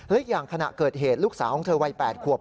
และอย่างขณะเกิดเหตุลูกสาวของเธอวัย๘ขวบ